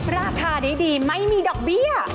ราคาดีไม่มีดอกเบี้ย